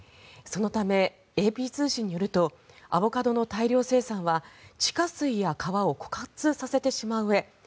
そのためＡＰ通信によるとアボカドの大量生産は地下水や川を枯渇させてしまううえ